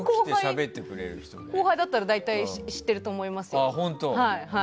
うちの後輩だったら大体、知ってると思いますよ。